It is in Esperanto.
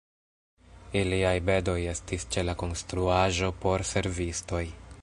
Iliaj bedoj estis ĉe la konstruaĵo por servistoj.